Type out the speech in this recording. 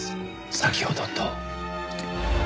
先ほどと。